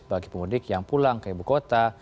bagi pemudik yang pulang ke ibu kota